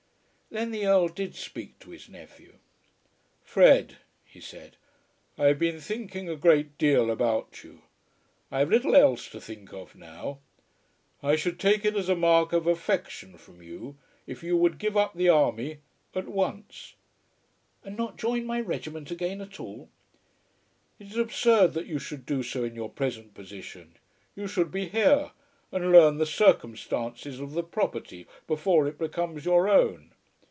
Then the Earl did speak to his nephew. "Fred," he said, "I have been thinking a great deal about you. I have little else to think of now. I should take it as a mark of affection from you if you would give up the army at once." "And not join my regiment again at all?" "It is absurd that you should do so in your present position. You should be here, and learn the circumstances of the property before it becomes your own.